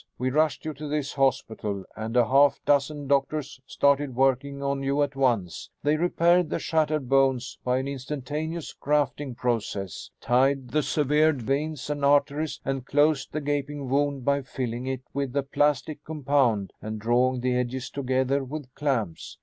We rushed you to this hospital and a half dozen doctors started working on you at once. They repaired the shattered bones by an instantaneous grafting process, tied the severed veins and arteries and closed the gaping wound by filling it with a plastic compound and drawing the edges together with clamps.